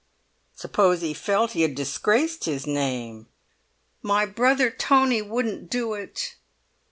"Suppose he felt he had disgraced his name?" "My brother Tony wouldn't do it!"